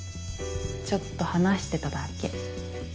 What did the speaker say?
ちょっと話してただけ。